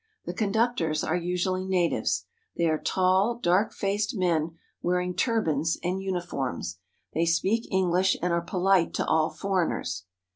The conductors are usually natives. They are tall, dark faced men wearing turbans and uni forms. They speak English and are polite to all foreigners.